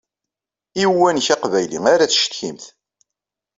I uwanek aqbayli ara tcetkimt.